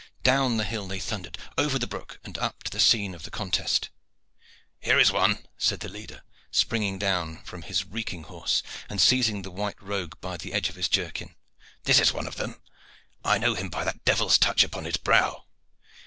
Down the hill they thundered, over the brook and up to the scene of the contest. "Here is one!" said the leader, springing down from his reeking horse, and seizing the white rogue by the edge of his jerkin. "This is one of them. I know him by that devil's touch upon his brow.